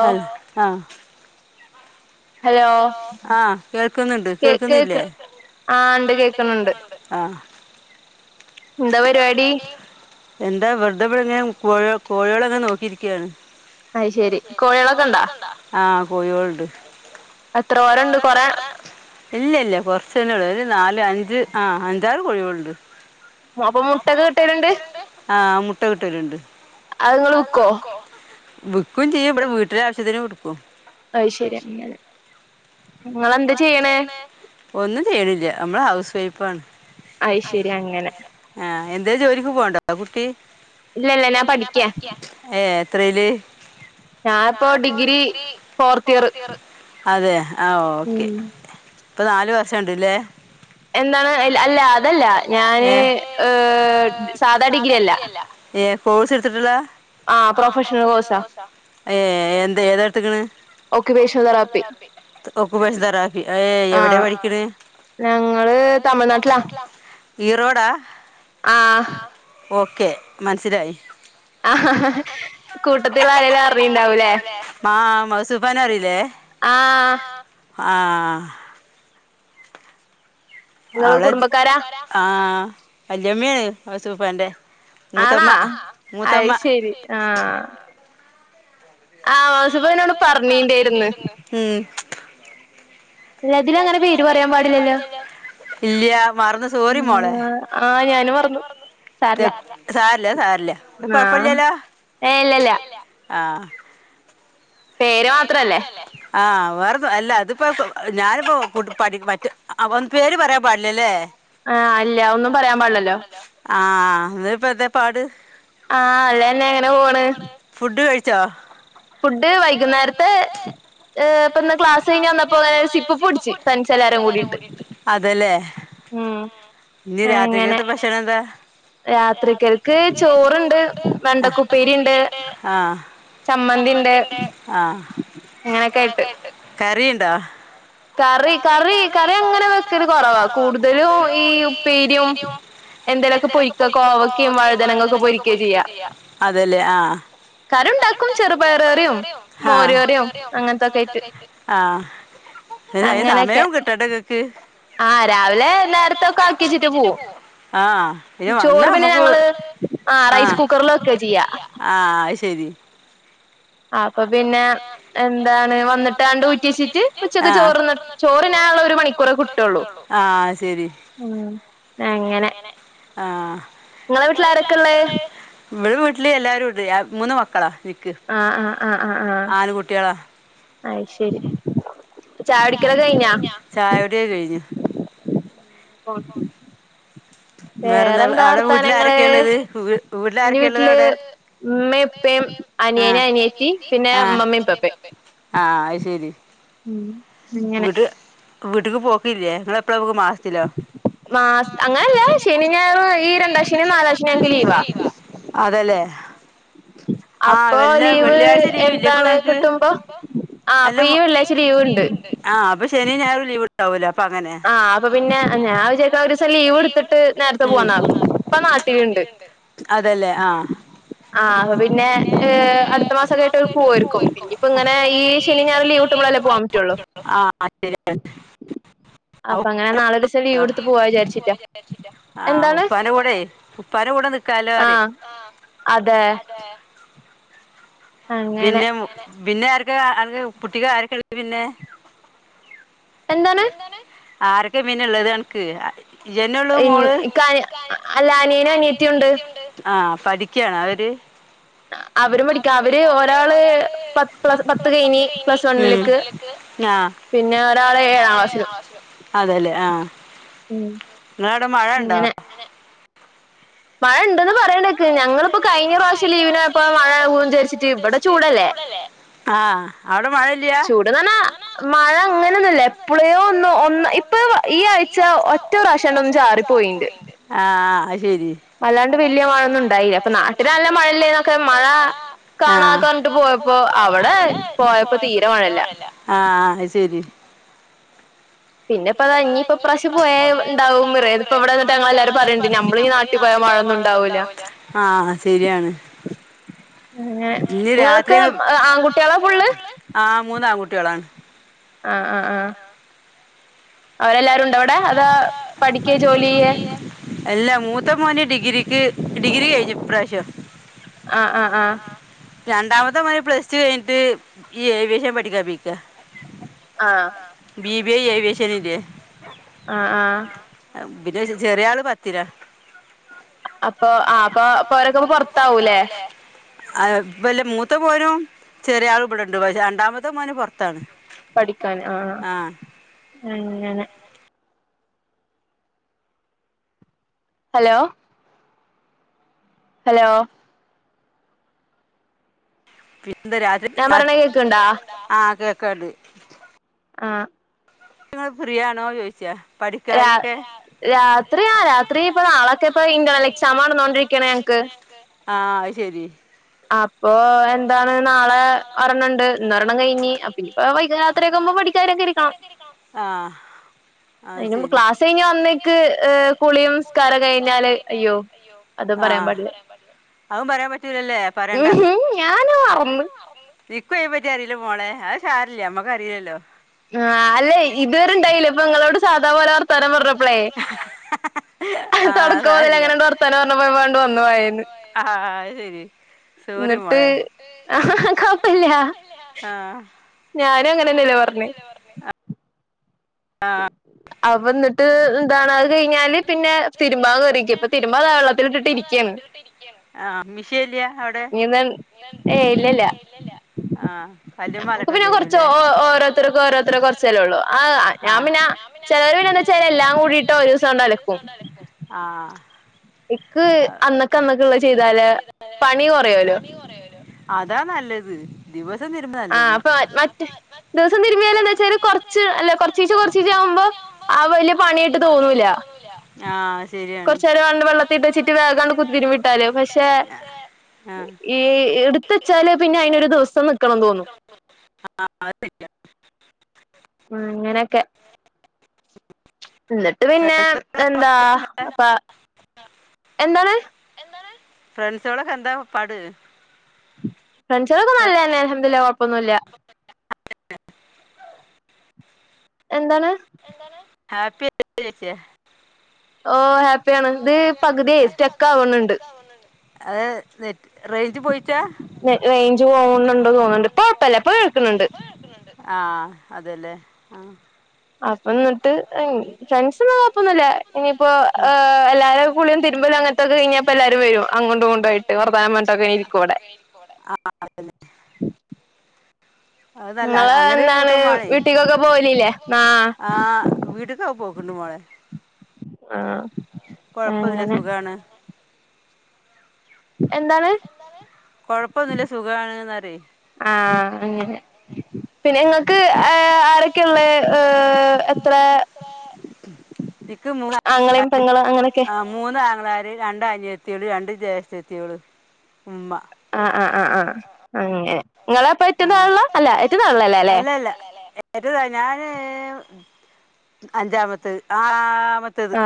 ഹ ആഹ ഹലോ കേ കേക്ക് ആഹ ഉണ്ട് കേക്കുന്നുണ്ട് എന്തവ പരിപാടി എന്താ വെറുതെവിടങ്ങനെ കോഴ് കോഴിയാളെ ങ്ങനെ നോക്കിയിരിക്കുവാണ് അയ്ശരി കോഴിയാളൊക്കെണ്ടാ കോഴികളുണ്ട് എത്ര വേര്ണ്ട് കൊറേ ഇല്ല ഇല്ല കൊർച്ചേനൊള്ളു ഒരു നാല് അഞ്ച് അ അൻ ഞ്ചാറ് കോഴികളുണ്ട് അപ്പൊ മുട്ടൊക്കെ കിട്ടലുണ്ട്. ആ മുട്ട കിട്ടലുണ്ട്. അത് നിങ്ങള് വിക്കോ? വ്ക്കും ചെയ്യും ഇബടെ വീട്ടിലെ ആശ്യത്തിന്ട് അയ്ശരി അങ്ങനെ നിങ്ങളെന്താ ചെയ്യ്ണേ? ഒന്നും ചെയ്യലില്ല നമ്മള് ഹൗസ് വൈഫ് ആണ് അയ്ശരി അങ്ങനെ ആ എന്തെങ്കിലും ജോലിക്ക് പോണ്ടാ കുട്ടി. ഇല്ല ഇല്ല ഞാൻ പഠിക്യ. എത്രയില്? ഞായിപ്പൊ ഡിഗ്രി ഫോർത്ത് ഇയർ. അതെ. ആ ഓക്കെ. അപ്പോ നാലുവർഷം ഉണ്ട്ല്ലേ? എന്താണ് യിൽ അല്ല അതല്ല ഞാന് ഹ് സാധാ ഡിഗ്രി അല്ല. കോഴ്സ് എടുത്തിട്ടുള്ള ആ പ്രൊഫഷണൽ കോഴ്സാ. ഏ എന്ത ഏതെടുത്ത്ക്ണ്? ഒക്കുപ്പേക്കെഷൻ തെറാപ്പി, ഒ ഒക്കുപ്പേഷൻ തെറാപ്പി എ എവിടെയ പഠിക്ക്ന്നേ, ഞങ്ങള് തമിഴ്നാട്ടിലാ. ഈ റോഡാ. ആ. ഓക്കെ മനസ്സിലായി. ആഹ ഹ കൂട്ടത്തിൽ ആരെങ്കിലും അറിഞ്ഞണ്ടാവൂല്ലേ മഹ്സൂഫൻ അറിയില്ലേ? ആഹ ആ അവള ആഹ വല്യമ്മ മഹ്സൂഫ ന്റെ ആണാ അയ്ശരി ആഹ ആ മഹ്സൂഫ പറഞ്ഞീണ്ടായിന്ന് ഇല്ല മറന്ന് സോറി മോളെ സാരില സാരില്ല കൊഴപ്പില്ലല്ലോ ആ ആ വേർ അല്ല അതിപ്പോ ഞാനിപ്പോ സ്കൂട്ടർപഠിമറ്റ പേര് പറയാൻ പാടില്ലല്ലേ ആഹ ഇല്ല ഒന്നും പറയാൻ പാടില്ലല്ലോ ആഹ അ ഇപ്പൊതേ പാട് ആഹ അല്ലെന്നെ എങ്ങനെ പോണ് ച്ചോ പ [inaudible] വൈകുന്നേരത്തെ ഇപ്പൊന്ന് ക്ലാ കഴിഞ്ഞ വന്നപ്പോ അങ്ങന സിപ്പ് കുടിച്ചു ഫ്രണ്ട്സ് എല്ലാരും കൂടി ട്ട്ങ്ങനെ രാത്രികൽക്ക് ചോറണ്ട് വെണ്ടക്കുപ്പേരി ഉണ്ട് ചമ്മന്തി ഉണ്ട് ആ കറി ണ്ടാ കറി കറി കറി അങ്ങനെ വെക്ക കൊറവാ കൂടുതലും ഈ ഉപ്പേരിയും എന്തെലുമൊക്കെ പൊരിക്ക കോവക്കയും വഴുതനങ്ങൊക്കെ പൊരിക്കചെയ്യ കറി ഉണ്ടാക്കും ചെറുപയറിയും ആ ആ് ആഹ അങ്ങനെയൊക്കെ ആ രാവിലെ നേരത്തൊക്കെ ആക്കി വച്ചിട്ട് പോവും ചോറ് പിന്നെ ഞങ്ങള് ആ റൈസ് കുക്കറിലൊക്കെ ചെയ്യാ ശരി ആ അപ്പൊ പിന്നെ പിന്നെ എന്താണ് വന്നിട്ടാണ്ട് ഊറ്റ വച്ചിട്ട് ഉച്ചക്ക് ചോറ്ന്ന ചോറിന്നാനുള്ള ഒരു മണിക്കൂറെ കിട്ടുള്ളൂ ഉ എങ്ങനെ ആ നിങ്ങളെ വീട്ടിൽ ആരൊക്കെയ ഉള്ളേ ഇവിടെ വീട്ടില് എല്ലാരുണ്ട് മൂന്ന് മക്കളാ ആഹ ആഹ ആഹ് ആഹ ആഹ അ ത്ശരി ചായ കുടിയക്കകഴിഞ്ഞു അെ പോ [inaudible] വേറെന്താ അവിടെ വീട്ടില ആരൊക്കെയ ഉള്ളത് വീട്ടില ആരൊക്കെള്ളത് അവിടെ ആ ആ ആ [inaudible] ശരി ഉം നിങ്ങനെ വീട്ടിക്ക് പോക്കില്ലേ ങ്ങള് എപ്ള പൊ മാസ് അങ്ങെ അല്ല ശനി ഞായറോ ഈ രണ്ടാശനി നാലാശനി നങ് ക്ക് ലീവാ അപ്പൊ ലീവ് എന്താണ് കിട്ടുമ്പോ ആഹ് അപ്പൊ ഈ വെള്ളിയാഴ്ച ലീവ്ണ്ട് ശനി ഞായറും ലീവ്ണ്ടാവോല്ലോ ആഹ് അപ്പൊ പിന്നെ ഞാൻ വിജാര്ക്ണ് ഒരീസംലീ ലീവ് ടുത്തിട്ട് നേരത്തെ പോവന്നാകും. പ്പ നാട്ടില്ണ്ട് ആഹ് പിന്നെ ഹ് അടുത്ത മാസൊക്കെയിട്ട് രു പോവായിരിക്കു ഇഞ്ഞിപ്പോ ങ്ങനെ ഈ ശനിം ഞായറും ലീവ് ഇട്ട്മ്പളെല്ലേ പോവാൻ പറ്റുള്ളോ അപ്പങ്ങനെ നളെ രിസം ലീവെടുത്ത് പോവാ ജാര് ആഹ് ഉപ്പാനെ കൂടെ ഉപ്പാനെ കൂടെ നിക്കാലോ അറി പിന്നെ ഉ പിന്നെ അര് [unintelligible] പുട്ടിക ആരക്കെ [unintelligible] പിന്നെ എന്താണ് ആരൊക്കെ പിന്നെ ള്ളത് അൻക്ക് അ ഇൻ ഇക്ക് അനിയ അ അല്ലാനിയനു അനിയത്തിയുണ്ട് ആഹ് പഠിക്കാണോ അവര് എ അവര് വഠിക്ക അവര് എ ഒരാള് പത് പ്ലസ് പത്ത് കഴിഞ് പ്ലസ് വണ്ണിലേക്ക് പിന്നെ ഒരാള് ഏഴാം സിലും ഉം ങ്ങനെ മഴ ണ്ടന്ന് പറയണെക്ക് ഞങ്ങള്പ്പോ കഴിഞ്ഞ പ്രാവശ്യം ലീവിനോയപ്പോ മഴവു ചാരിച്ചിട്ട് ഇവടെ ചൂടല്ലേ ചൂട്ന്ന് പറഞ്ഞാ മഴ അങ്ങനൊന്നുല്ല എപ്ളേ ഒന്നു ഒന്ന് ഇപ്പൊ വൊ ഈ ആഴ്ച ഒറ്റ പ്രാവശ്യണ്ണം ചാറി പോയിണ്ട് ശരി ഹാ ആഹ് ശെരി രി പിന്നെപ്പത ഇനി ഇപ്പോ പ്രാവശ്യ പോയ വ് ണ്ടാവുംവ്റേ ഇത്പം വിടെന്നിട്ട് ഞങ്ങളെല്ലാരും പറയണ്ടി നമ്മള് ഈ നാട്ടി പോയാ ആ ശരിയാണ് ഇനി രാത്രിയാ ആ മൂന്നാം ആൺകുട് ട്ട്യളാണ് ആ ആ ആഹ് അവരെല്ലാരു ഉണ്ടൊവടെ അതോ പഠിക്കെ ജോലി യ്യേ അല്ല മൂത്ത മോന് ഡിഗ്രിക്ക് ഡിഗ്രി കെഴിഞ്ഞി പ്രാവശ്യം ആഹആ ആഹ് രണ്ടാമത്തെ മോ പ്ലസ് ടു കഴിഞ്ഞിട്ട് ഈ ഏവിയേഷൻ പഠിക്കപെയ്ക്ക ആഹ് ബീബ വശനിതി ആഹ ആഹ പിന്നെ ചെറിയ ആള് പത്തില് അപ്പൊ ആ അപ്പൊ പോരൊക്കുമ്പ പൊറത്താവൂലേ ആ ഇല്ല മൂത്ത മോനും ചെറിയ ആൾ ഇവിടെണ്ട് രണ്ടാമത്തെ മോന് പുറത്താണ് പഠിക്കൻ ആഹ അങ്ങനെ ഹലോ ഹലോ പി എന്താ രാത്രി രാത് ആഹെ കേൾക്കുന്നുണ്ട് ആ നിങ്ങള് ഫ്രീ ആണോ ചോദിച്ചാ രാ രാത്രിയാ രാത്രി ഇപ്പ നാളൊക്കെ ഇപ്പ ഇന്റെര്ണല് എക്സാം ആണ് നടന്നുകൊണ്ടിരിക്കുന്നത് ഞങ്ങൾക്ക് ആഹ അത് ശരി അപ്പൊ എന്താണ് നാളെ പറണിണ്ട് ഇന്നൊരെണ്ണം കഴിഞ് പിന്ന ഇപ്പ വൈകി രാത്രിൊക്കെുമ്പോ പഠിക്കാൻ ഇരിക്കണം ആഹ അത് ശരി അതിനുമുമ്പ് ക്ലാസ് കഴിഞ്ഞു വന്നേക്ക് കുളിയും നിസ്കാരവും കഴിഞ്ഞാൽ അയ്യോ അതൊന്നും പറയാൻ പറ്റൂലല്ലേ ഞാനത് മറന്നു എനിക്കും അതിനെപ്പറ്റി അറിയില്ലോ മോളെ ആ സാറല്ലേ നമ്മക്ക് അറിയില്ലല്ലോ ആ അല്ലെ ഇതുവരുണ്ടായില്ല ഇപ്പൊ നിങ്ങളോട് സാധാ പോലെ വർത്താനം പറഞ്ഞപ്പോൾ പറഞ്ഞപ്പളേ തുടക്ക അതില അങ്ങനെണ്ട് വർത്താനം പറഞ്ഞ പോ വ ഒന്നായിരുന്നു ആഹ ശരി എന്നിട്ട് ആ കൊഴപ്പില്ല ഞാനും അങ്ങനെന്നല്ല പറഞ്ഞേ ആഹ അവന്നിട്ട് ഇ് എന്താണ കഴിഞ്ഞാല് പിന്നെ തിരുമ്പ കറിക്ക ഇപ്പൊ തിരുമ്പ താവെള്ളത്തി ഇട്ടിട്ടിരിക്ക നീന്തൽ ഏയ് ഇല്ലില്ല നമ്മുക്ക് പിന്നെ കുറച്ച് ഒ ഓരോരുത്തർക്ക് ഓരോരുത്തക്ക് കുറച്ചല്ലേ ഉള്ളു ആ ഞാൻ പിന്നെ ചിലർ പിന്നെന്ന് വച്ചാല് എല്ലാം. കൂടിട്ടാ ഒരിസാണ്ടലക്കും എൻക്ക് അന്നൊക്കെ അന്നൊക്കെ ഉള്ള ചെയ്താല് പണി കൊറയല്ലോ അതാ നല്ലത് ദിവസ ആഹ് അപ്പൊ മറ്റേ ദിവസം തിരുമിയാല് എന്താ വെച്ചാല് കുറച്ച് അല്ലെ കുറച്ച് കുറച്ചീച്ചാവുമ്പോ ആഹ് വലിയ പണിയായിട്ട് തോന്നൂല ആഹ് കുറച്ച നേരം [unintelligible] വെള്ളത്തിട്ട് വെച്ചിട്ട് വേഗാങ്ങടു കുത്തി തിരുമ്മിയിട്ടാല് പക്ഷെ ഈ എടു ത്തു വച്ചാല് പിന്നെ അയിനൊരു ദിവസം നിക്കണം തോന്നും ആഹ് അത് ശരിയാ ആഹ് അങ്ങനൊക്കെ എന്നിട്ട് പിന്നെ എന്താ അപ്പ എന്താണ് ഫ്രണ്ട്സോകളൊക്കെ എന്താ പാട് ഫ്രണ്ട്സുകൾക്കും നല്ലന്നെ അൽഹംദില്ല കൊഴപ്പൊന്നില്ല എന്താണ് ഹാപ്പി ആയിട്ടിരിക്ക് ഓ ഹാപ്പിയാണ് ഇത് പകുതിയേ സ്റ്റക്ക് ആവണണ്ട് അത് [unintelligible] റേഞ്ച് പോകുന്നുണ്ടോന്നു തോന്നുന്നുണ്ട് ഇപ്പ കൊഴപ്പല്ല ഇപ്പ കേക്കുന്നുണ്ട് ആഹ അതെല്ലേ ആ അപ്പ എന്നിട്ട് ഫ്രണ്ട്സന്നും കൊഴപ്പൊന്നുമില്ല ഇനിയിപ്പോ ഏ എല്ലാരും കുളിയും തിരുമ്പലും അങ്ങനത്തൊക്കെ കഴിഞ്ഞപ്പോ എല്ലാരും വരും അങ്ങോണ്ടുമിങ്ങോട്ടുമായിട്ട് വർത്താനം പറഞ്ഞിട്ടൊക്കെ ഇനി ഇരിക്കും ഇവിടെ അത് നല്ല അങ്ങനൊരു കൂട്ടം [unintelligible] ആഹ വീട്ടക്ക പോക്കണ്ട് മോളെ ആഹ കൊഴപ്പില്ല സുഖാണ് എന്താണ് കൊഴപ്പൊന്നുമില്ല സുഖാണ്ന്ന [unintelligible] അങ്ങനെ പിന്നെ ങ്ങൾക്ക് ആരൊക്കെള്ള ഏഹ എത്ര നക്ക് മൂന്ന [inaudible] ആ മൂന്ന [unintelligible] രണ്ട് അനിത്തിയളു രണ്ട് ജേഷ്ടത്തിയൊളു ഉമ്മ ആഹ ആഹ് ആഹ് ആഹ അങ്ങനെ നിങ്ങളെ അപ്പ എ [unintelligible] അല്ല ഏറ്റ [unintelligible] അല്ലെ ഏറ്റതാ [unintelligible] ഞാന് അഞ്ചാമത്ത് ആ മത്തത്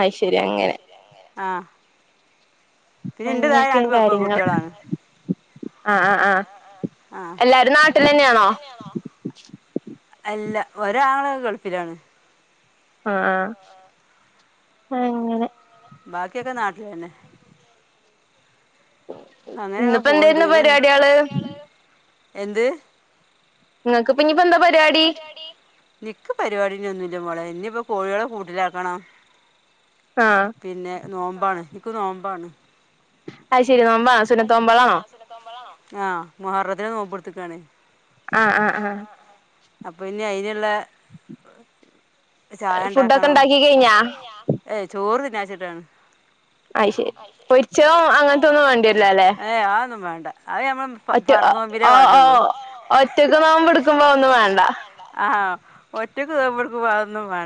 ആയ് ശരി അങ്ങനെ ആഹ് പിന്നെ എന്റെതാഴെ രണ്ടു പെ പെൺകുട്ടികളാണ് ആ ആ ആ എല്ലാരും നാട്ടിൽ തന്നെയാണോ അല്ല ഒരാള് ഗൾഫിലാണ് ആഹ അങ്ങനെ ബാക്കിയൊക്കെ നാട്ടില് തന്നെ ഇന്ന്പ്പോ എന്തേരുന്നു പരിപാടിയള് എന്ത് നിങ്ങക്ക് ഇപ്പഞ്ഞിപ്പെന്താ പരിവാടി? നിക്ക് പരിപാടി നി ഒന്നൂല്ല മോളെ. ഇനിയിപ്പോ കോഴികളെ കൂട്ടിലാക്കണം. പിന്നെ നോമ്പാണ്. ഇക്ക് നോമ്പാണ്. ശരി. നോമ്പാ സുന്നത്തോമ്പാളാണോ? ആഹ് മൊഹർറത്തിെന്റെ നോമ്പ്ട്ത്ത്ക്കാണ്. ആഹ് ആഹ് ആഹ് അപ്പൊ നി അയിന് ല്ലെ ചായണ്ടാക്കണം ഫുഡൊക്കെണ്ടാക്കി കയ്ഞ്ഞോ? ഏയ് ചോറ് ന്നാച്ട്ടാണ്. അയ്ശരി പൊരിച്ചതും അങ്ങൻത്തൊന്നും വാണ്ടി ഇല്ല ലേ. അഒന്നും വേണ്ട. ഒറ്റ ആഹ് ആഹ് ഒറ്റക്ക് നോമ്പിടുക്കുമ്പോ അഒന്നും വേണ്ട. ആഹ് ഒറ്റക്ക് നോമ്പ്ട്ക്കുമ്പോ അതൊന്നും വേ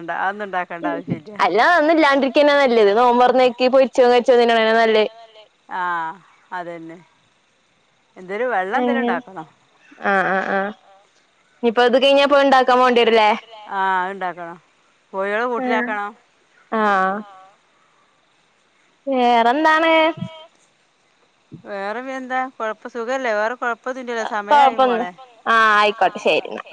അല്ല ഒന്നുല്ലാണ്ടിരിക്ക പിന്ന ല്ലേലും നോമ്പൊർന്നേക്കീ പൊര്ച്ചതും കര്ച്ചതും തിന്ന്ണേക്കാൾ നല്ലെ ആഹ് അതന്നെ എന്തേലും വെള്ളം എന്തേലും ണ്ടാക്കണം ആഹ് ആഹ് ആഹ് ആഹ് അത്ണ്ടാക്കണം കോഴിയാളെ കൂട്ടിലാക്കണം വേറെന്താണ്? വേറെ പിന്നെന്താ കൊഴപ്പ സുഖല്ലേ വേറെ കുഴപ്പ കൊഴപ്പൊന്നും ആഹ് ആയ്ക്കോട്ടെ ശരിന്നാ